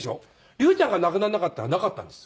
竜ちゃんが亡くならなかったらなかったんです